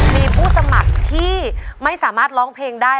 มีผู้สมัครที่ไม่สามารถร้องเพลงได้